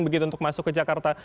begitu untuk masuk ke jakarta